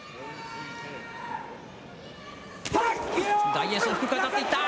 大栄翔、低く当たっていった。